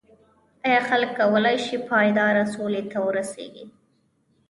ایا خلک کولای شي پایداره سولې ته ورسیږي؟